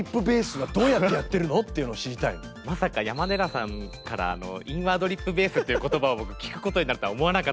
まさか山寺さんから「インワードリップベース」という言葉を僕聞くことになるとは思わなかったんですけど。